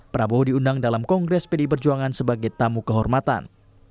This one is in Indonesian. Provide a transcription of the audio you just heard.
prabowo diundang dalam kongres pdi perjuangan sebagai tamu kehormatan